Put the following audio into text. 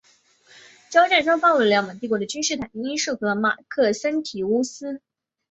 交战双方为罗马帝国的君士坦丁一世和马克森提乌斯。